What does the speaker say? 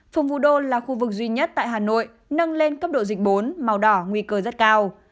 phường vu đô là khu vực duy nhất tại hà nội nâng lên cấp độ dịch bốn màu đỏ nguy cơ rất cao